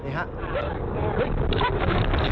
เจ้าตาลังงาน